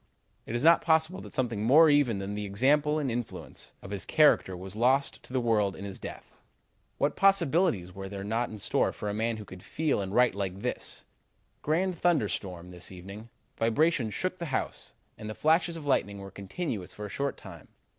"Is it not possible that something more even than the example and influence of his character was lost to the world in his death? What possibilities were there not in store for a man who could feel and write like this: 'Grand thunderstorm this evening. Vibrations shook the house and the flashes of lightning were continuous for a short time.